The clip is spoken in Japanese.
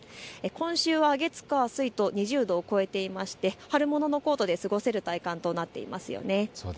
今週は月火水と２０度を超えていまして春物のコートで過ごせる体感となっていますよね。